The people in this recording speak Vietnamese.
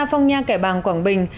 phong nha cải bàng quảng bình